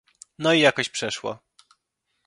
"No i jakoś przeszło."